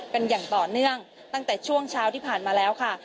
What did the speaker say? อย่างต่อเนื่องตั้งแต่ช่วงเช้าที่ผ่านมาแล้วค่ะ